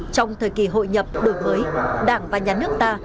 trong thời kỳ hội nhập đổi mới đảng và nhà nước ta